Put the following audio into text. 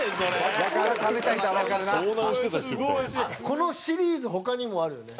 このシリーズ他にもあるよね。